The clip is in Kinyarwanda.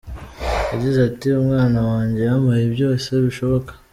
Yagize ati “Umwana wanjye yampaye byose bishoboka.